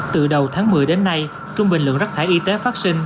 từ đầu tháng một mươi đến nay trung bình lượng rác thải y tế phát sinh